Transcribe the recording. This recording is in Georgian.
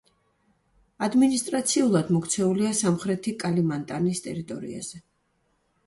ადმინისტრაციულად მოქცეულია სამხრეთი კალიმანტანის ტერიტორიაზე.